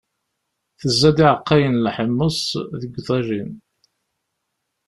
Tezza-d iɛeqqayen n lḥemmeẓ deg uḍajin.